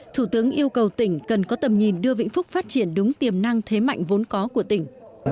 thủ tướng yêu cầu tỉnh cần có tầm nhìn đưa vĩnh phúc phát triển đúng tiềm năng thế mạnh vốn có của tỉnh